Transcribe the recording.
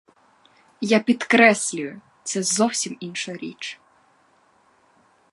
Я підкреслюю, це зовсім інша річ.